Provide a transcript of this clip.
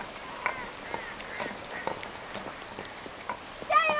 来たよ！